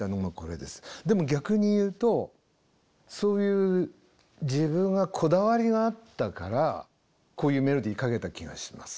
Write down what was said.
でも逆に言うとそういう自分がこだわりがあったからこういうメロディー書けた気がします。